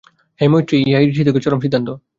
হে মৈত্রেয়ী, ইহাই ঋষিদিগের চরম সিদ্ধান্ত।